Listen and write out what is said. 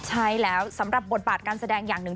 ใช่แล้วสำหรับบทบาทการแสดงอย่างหนึ่ง